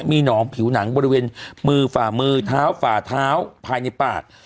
มีหนองผิวหนังบริเวณมือฝ่ามือเท้าฝ่าเท้าภายในปาก